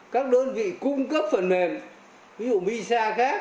các đơn vị cung cấp phần mềm ví dụ misa khác